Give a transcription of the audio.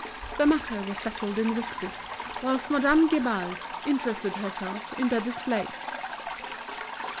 The matter was settled in whispers, whilst Madame Guibal interested herself in the displays.